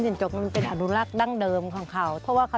สวยมากค่ะขอบคุณนะค่ะ